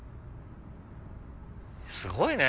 すごいね！